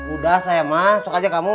udah sayang mah sok aja kamu